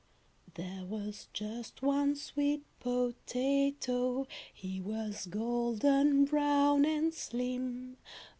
III "There was just one sweet potato. He was golden brown and slim.